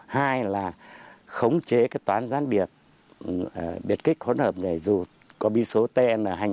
hai là khống chế toán gián biệt biệt kích hỗn hợp nhảy dù có bi số tn hai mươi năm